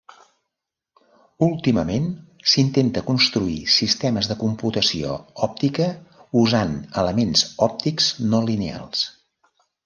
Últimament s'intenta construir sistemes de computació òptica, usant elements òptics no lineals.